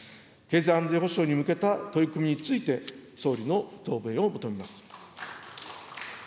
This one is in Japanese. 経済安全保障に向けた取り組みについて、総理の答弁を求めます。